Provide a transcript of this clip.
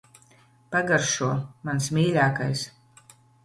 Pagaršo. Mans mīļākais.